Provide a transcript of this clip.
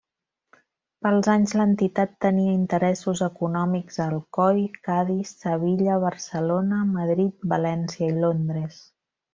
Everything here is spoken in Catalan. Pels anys l'entitat tenia interessos econòmics a Alcoi, Cadis, Sevilla, Barcelona, Madrid, València i Londres.